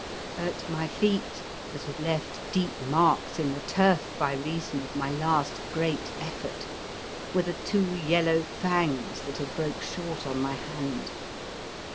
At my feet, that had left deep marks in the turf by reason of my last great effort, were the two yellow fangs that had broke short on my hand.